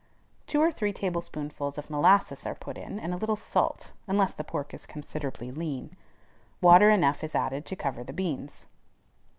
Two or three tablespoonfuls of molasses are put in, and a little salt, unless the pork is considerably lean. Water enough is added to cover the beans.